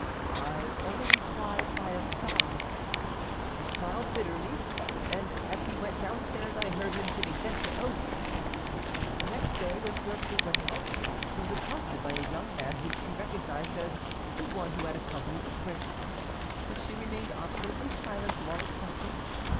I only replied by a sigh. He smiled bitterly, and as he went down stairs I heard him giving vent to oaths. The next day, when Gertrude went out, she was accosted by a young man whom she recognized as the one who had accompanied the prince, but she remained obstinately silent to all his questions.